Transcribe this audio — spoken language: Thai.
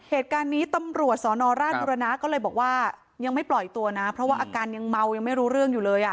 เหตุการณ์นี้ตำรวจสนราชบุรณะก็เลยบอกว่ายังไม่ปล่อยตัวนะเพราะว่าอาการยังเมายังไม่รู้เรื่องอยู่เลยอ่ะ